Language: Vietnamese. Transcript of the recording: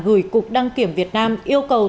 gửi cục đăng kiểm việt nam yêu cầu